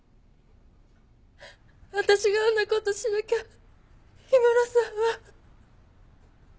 私があんな事しなきゃ氷室さんは。